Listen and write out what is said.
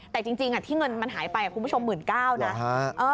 แต่จริงที่เงินมันหายไปคุณผู้ชมหมื่นเก้านะ